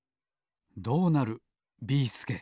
どうなるビーすけ